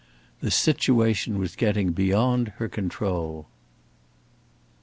The situation was getting beyond her control.